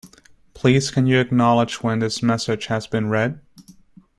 Please can you acknowledge when this message has been read?